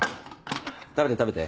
食べて食べて。